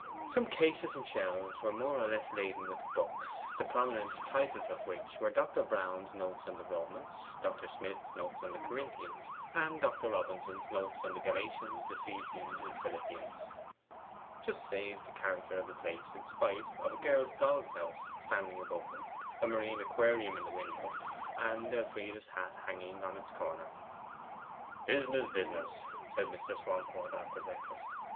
Some cases and shelves, more or less laden with books, the prominent titles of which were Dr. Brown's 'Notes on the Romans,' Dr. Smith's 'Notes on the Corinthians,' and Dr. Robinson's 'Notes on the Galatians, Ephesians, and Philippians,' just saved the character of the place, in spite of a girl's doll's house standing above them, a marine aquarium in the window, and Elfride's hat hanging on its corner. 'Business, business!' said Mr. Swancourt after breakfast.